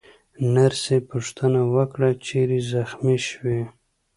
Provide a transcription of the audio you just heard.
نرسې پوښتنه وکړه: چیرې زخمي شوې؟